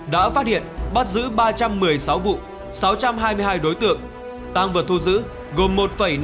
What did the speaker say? đã phát hiện bắt giữ ba trăm một mươi sáu vụ sáu trăm hai mươi hai đối tượng tăng vật thu giữ gồm một năm nghìn hai trăm bốn mươi ba